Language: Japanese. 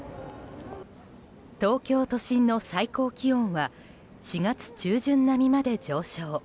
東京都心の最高気温は４月中旬並みまで上昇。